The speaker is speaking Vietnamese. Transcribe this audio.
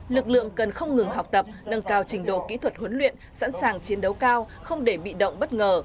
lực lượng cần không ngừng học tập nâng cao trình độ kỹ thuật huấn luyện sẵn sàng chiến đấu cao không để bị động bất ngờ